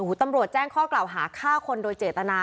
ตำรวจแจ้งข้อกล่าวหาฆ่าคนโดยเจตนา